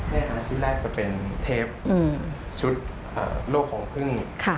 นี่ค่ะชิ้นแรกจะเป็นเทปชุดโลกของพึ่ง